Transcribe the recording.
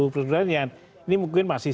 prosedurnya ini mungkin masih